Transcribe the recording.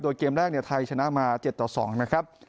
โดยเกมแรกไทยชนะมา๗ต่อ๒นะครับ